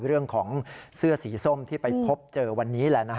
เรื่องของเสื้อสีส้มที่ไปพบเจอวันนี้แหละ